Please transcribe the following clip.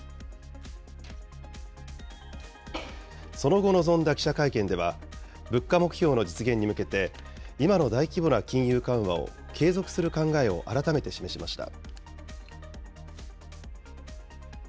その後臨んだ記者会見では、物価目標の実現に向けて、今の大規模な金融緩和を継続する考えを改めて示しました。